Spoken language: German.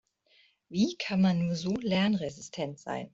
Wie kann man nur so lernresistent sein?